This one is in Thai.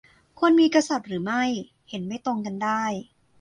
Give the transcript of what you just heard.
- ควรมีกษัตริย์หรือไม่ เห็นไม่ตรงกันได้